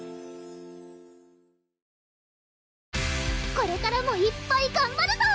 これからもいっぱいがんばるぞ！